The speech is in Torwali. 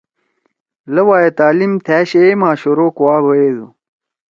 لؤا ئے تعلیم تھأ شَیئے ما شروع کوا بیَدُو۔